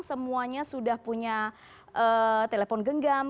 semuanya sudah punya telepon genggam